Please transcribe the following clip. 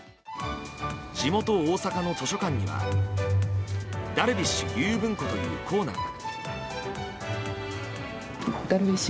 地元・大阪の図書館にはダルビッシュ有文庫というコーナーが。